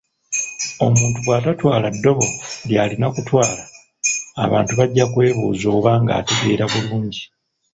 Omuntu bw'atatwala ddobo ly’alina kutwala, abantu bajja kwebuuza oba ng’ategeera bulungi.